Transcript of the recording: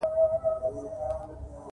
جينکۍ اوس چينې ته ځي که نه؟